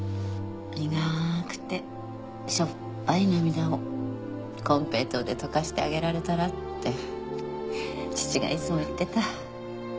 苦くてしょっぱい涙をコンペイトーでとかしてあげられたらって父がいつも言ってた。